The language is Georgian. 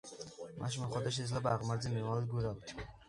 მასში მოხვედრა შეიძლება აღმართზე მიმავალი გვირაბით.